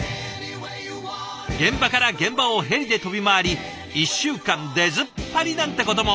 現場から現場をヘリで飛び回り１週間出ずっぱりなんてことも。